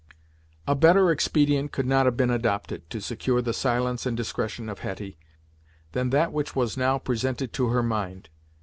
A better expedient could not have been adopted, to secure the silence and discretion of Hetty, than that which was now presented to her mind.